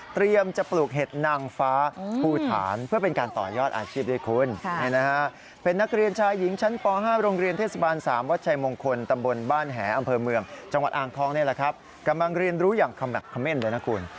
กำลังเรียนรู้อย่างคำแม่นด้วยนะคุณ